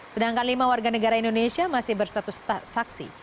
sedangkan lima warga negara indonesia masih berstatus saksi